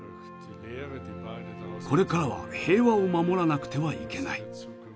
「これからは平和を守らなくてはいけない。